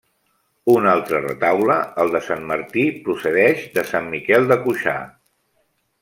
Un altre retaule, el de Sant Martí, procedeix de Sant Miquel de Cuixà.